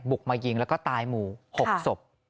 มายิงแล้วก็ตายหมู่๖ศพ